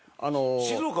静岡。